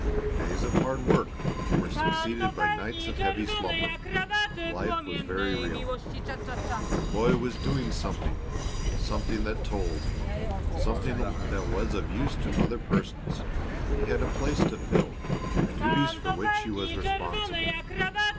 Days of hard work were succeeded by nights of heavy slumber. Life was very real. The boy was doing something something that told something that was of use to other persons; he had a place to fill, duties for which he was responsible.